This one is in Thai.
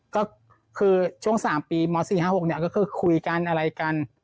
ก็คือช่วง๓ปีม๔๕๖เนี่ยก็คือคุยกันอะไรกัน